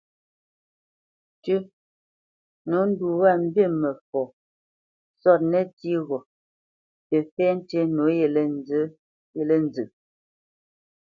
"Tʉ́ ; nǒ ndu wá mbi mə fɔ sɔ́t nə́tsí ghó tə́ fɛ́ tí nǒ yelê nzə."